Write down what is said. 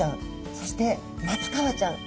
そしてマツカワちゃん。